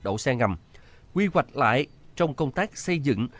đậu xe ngầm quy hoạch lại trong công tác xây dựng